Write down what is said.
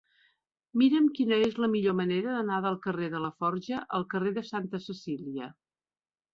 Mira'm quina és la millor manera d'anar del carrer de Laforja al carrer de Santa Cecília.